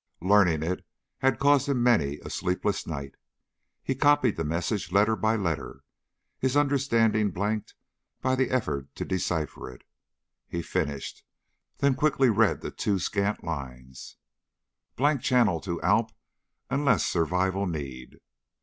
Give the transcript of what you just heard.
Learning it had caused him many a sleepless night. He copied the message letter by letter, his understanding blanked by the effort to decipher it. He finished, then quickly read the two scant lines: "_Blank channel to Alp unless survival need.